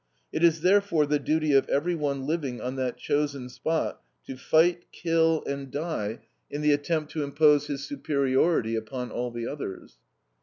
It is, therefore, the duty of everyone living on that chosen spot to fight, kill, and die in the attempt to impose his superiority upon all the others.